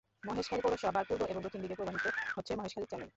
মহেশখালী পৌরসভার পূর্ব এবং দক্ষিণ দিকে প্রবাহিত হচ্ছে মহেশখালী চ্যানেল।